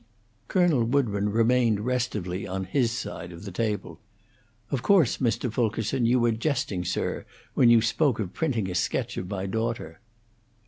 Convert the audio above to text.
Colonel Woodburn remained restively on his side of the table. "Of course, Mr. Fulkerson, you were jesting, sir, when you spoke of printing a sketch of my daughter."